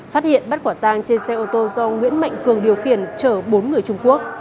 phát hiện bắt quả tang trên xe ô tô do nguyễn mạnh cường điều khiển chở bốn người trung quốc